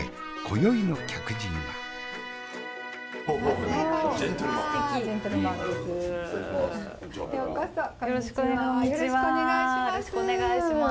よろしくお願いします。